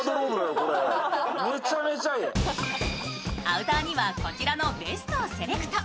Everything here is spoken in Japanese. アウターにはこちらのベストをセレクト。